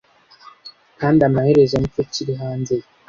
Kandi amaherezo nicyo kiri hanze ye